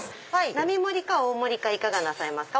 並盛りか大盛りかいかがなさいますか？